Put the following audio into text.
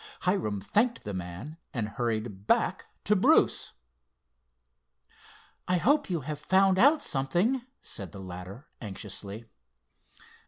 Hiram thanked the man, and hurried back to Bruce. "I hope you have found out something," said the latter anxiously.